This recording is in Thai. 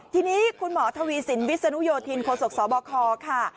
ทีนี้คุณหมอทวีสินวิศนุโยธินโศกศาสตร์บ่าคอค่ะ